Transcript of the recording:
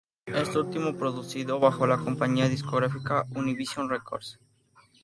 Este último producido bajo la compañía discográfica Univision Records.